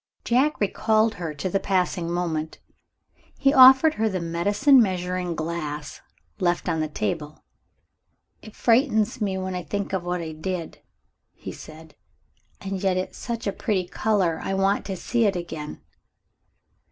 Jack recalled her to the passing moment. He offered her the medicine measuring glass left on the table. "It frightens me, when I think of what I did," he said. "And yet it's such a pretty color I want to see it again."